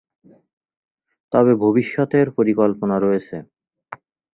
তবে ভবিষ্যতের পরিকল্পনা রয়েছে।